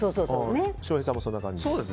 翔平さんもそんな感じ。